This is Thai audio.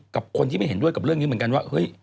กับคนที่ไม่เห็นด้วยกับเรื่องนี้เหมือนกันว่าเฮ้ย